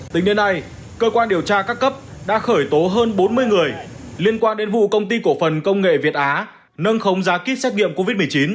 tính đến nay cơ quan điều tra các cấp đã khởi tố hơn bốn mươi người liên quan đến vụ công ty cổ phần công nghệ việt á nâng không giá kích xét nghiệm covid một mươi chín